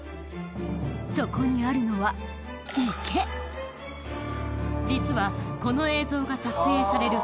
そこにあるのは池実はこの映像が撮影される